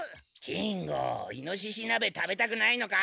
金吾イノシシなべ食べたくないのか？